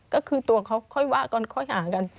ก็คือตัวเขาค่อยว่ากันค่อยหากัน